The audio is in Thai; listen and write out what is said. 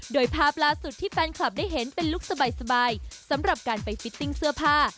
โดยภาพล่าสุดที่แฟนคลับได้เห็นเป็นลุคสบายสำหรับการไปฟิตติ้งเสื้อผ้า